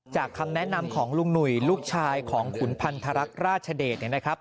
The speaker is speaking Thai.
คำแนะนำของลุงหนุ่ยลูกชายของขุนพันธรรคราชเดชเนี่ยนะครับ